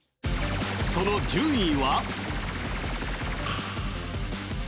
その順位は？